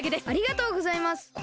ありがとうございます！